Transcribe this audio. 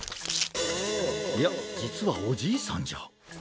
いやじつはおじいさんじゃ。